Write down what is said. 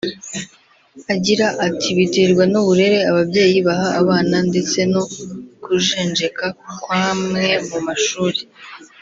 agira ati “ Biterwa n’uburere ababyeyi baha abana ndetse no kujenjeka kw’amwe mu mashuri